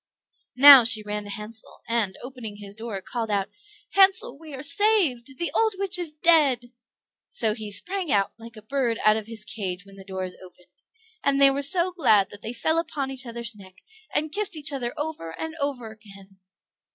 Now she ran to Hansel, and, opening his door, called out, "Hansel, we are saved; the old witch is dead!" So he sprang out, like a bird out of his cage when the door is opened; and they were so glad that they fell upon each other's neck, and kissed each other over and over again.